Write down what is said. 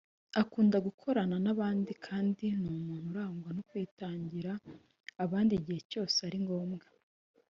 akunda gukorana n’abandi kandi ni umuntu urangwa no kwitangira abandi igihe cyose ari ngombwa